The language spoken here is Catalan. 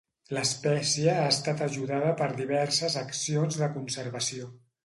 L'espècie ha estat ajudada per diverses accions de conservació.